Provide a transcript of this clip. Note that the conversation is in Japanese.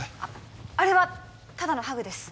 あれはただのハグです